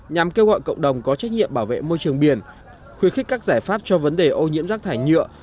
nhằm kêu gọi cộng đồng có trách nhiệm bảo vệ môi trường biển khuyến khích các giải pháp cho vấn đề ô nhiễm rác thải nhựa